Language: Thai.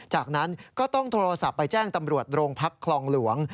จากนั้นก็ต้องโทรศัพท์ไปแจ้งตำรวจโรงพักคลองหลวง